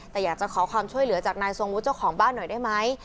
แต่อยากจะขอความช่วยเหลือจากนายทรงวุฒิเจ้าของบ้านหน่อยได้ไหม